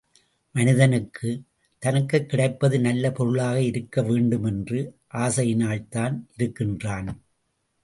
மனிதனுக்கு......... தனக்குக் கிடைப்பது நல்ல பொருளாக இருக்க வேண்டும், என்ற ஆசையினால்தான் இருக்கின்றான்.